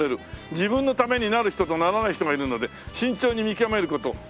「自分のためになる人とならない人がいるので慎重に見きわめること。